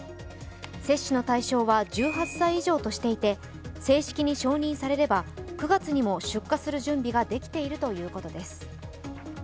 接種の対象は１８歳以上としていて正式に承認されれば９月にも出荷する準備ができているということです。